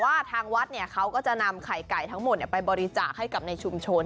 ทางวัดเขาก็จะนำไข่ไก่ทั้งหมดไปบริจาคให้กับในชุมชน